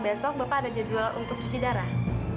besok bapak ada jadwal untuk cuci darah